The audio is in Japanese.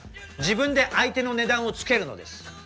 自分で相手の値段をつけるのです。